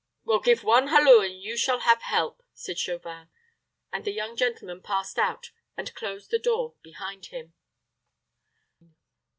"Well, give one halloo, and you shall have help," said Chauvin; and the young gentleman passed out and closed the door behind him.